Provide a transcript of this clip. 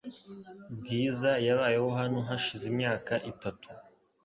Bwiza yabayeho hano hashize imyaka itatu .